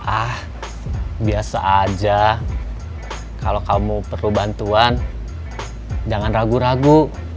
ah biasa aja kalau kamu perlu bantuan jangan ragu ragu